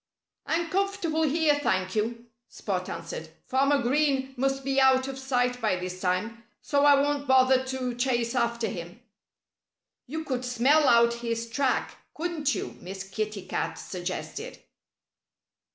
"I'm comfortable here, thank you," Spot answered. "Farmer Green must be out of sight by this time. So I won't bother to chase after him." "You could smell out his track, couldn't you?" Miss Kitty Cat suggested.